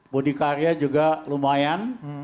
budi karya juga lumayan